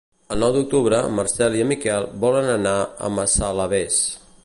El nou d'octubre en Marcel i en Miquel volen anar a Massalavés.